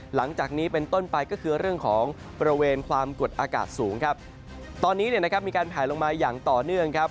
หลังจากนี้เป็นต้นไปก็คือเรื่องของบริเวณความกดอากาศสูงครับตอนนี้เนี่ยนะครับมีการแผลลงมาอย่างต่อเนื่องครับ